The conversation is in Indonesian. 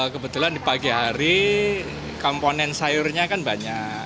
kebetulan di pagi hari komponen sayurnya kan banyak